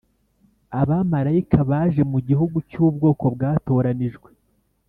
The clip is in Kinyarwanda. . Abamarayika baje mu gihugu cy’ubwoko bwatoranijwe